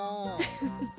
ウフフフ。